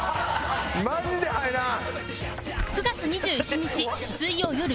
マジで入らん！